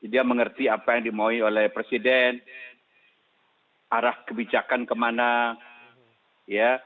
dia mengerti apa yang dimaui oleh presiden arah kebijakan kemana ya